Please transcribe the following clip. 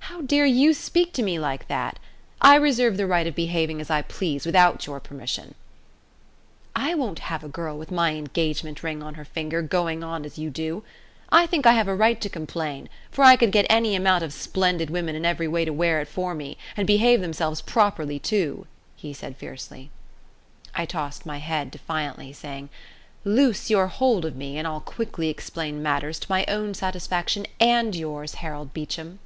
"How dare you speak to me like that! I reserve the right of behaving as I please without your permission." "I won't have a girl with my engagement ring on her finger going on as you do. I think I have a right to complain, for I could get any amount of splendid women in every way to wear it for me, and behave themselves properly too," he said fiercely. I tossed my head defiantly, saying, "Loose your hold of me, and I'll quickly explain matters to my own satisfaction and yours, Harold Beecham."